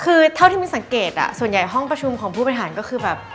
คือเท่าที่มินสังเกตส่วนใหญ่ห้องประชุมของผู้บริหารก็คือแบบ